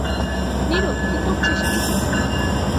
নীরু, তুই করছিস কী!